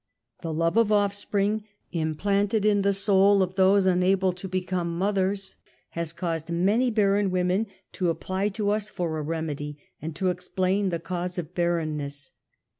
The love of offspring implanted in the soul of those unable to become mothers, has caused many barren wo men to apply to us for a remedy, and to explain the cause of barrenness.